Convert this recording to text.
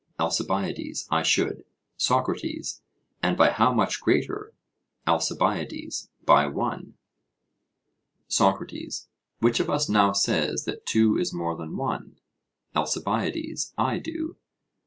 ALCIBIADES: I should. SOCRATES: And by how much greater? ALCIBIADES: By one. SOCRATES: Which of us now says that two is more than one? ALCIBIADES: I do.